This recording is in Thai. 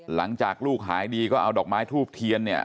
หลังจากลูกหายดีก็เอาดอกไม้ทูบเทียนเนี่ย